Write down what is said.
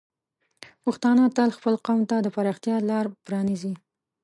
پښتانه تل خپل قوم ته د پراختیا لار پرانیزي.